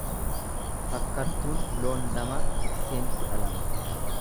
Fakkartuun loon lamaa tikseen kudha lama.